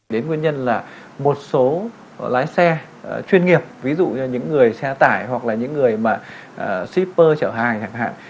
đến nguyên nhân là một số lái xe chuyên nghiệp ví dụ như những người xe tải hoặc là những người mà shipper chở hàng chẳng hạn